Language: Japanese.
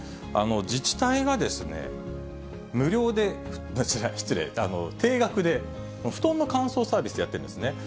自治体が無料で、失礼、低額で布団の乾燥サービス、やってるんですね。